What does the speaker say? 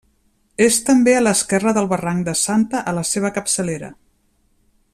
És també a l'esquerra del barranc de Santa a la seva capçalera.